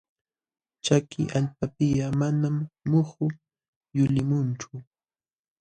Chaki allpapiqa manam muhu yulimunchu.